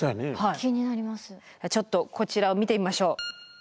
ちょっとこちらを見てみましょう。